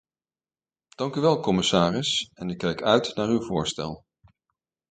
Dank u wel, commissaris, en ik kijk uit naar uw voorstel.